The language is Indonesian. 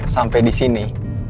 sampai di sini